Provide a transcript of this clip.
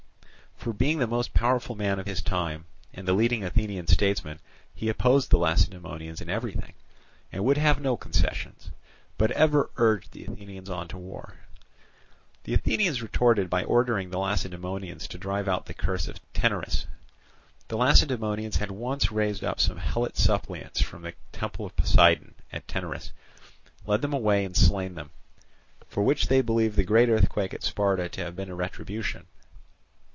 For being the most powerful man of his time, and the leading Athenian statesman, he opposed the Lacedaemonians in everything, and would have no concessions, but ever urged the Athenians on to war. The Athenians retorted by ordering the Lacedaemonians to drive out the curse of Taenarus. The Lacedaemonians had once raised up some Helot suppliants from the temple of Poseidon at Taenarus, led them away and slain them; for which they believe the great earthquake at Sparta to have been a retribution.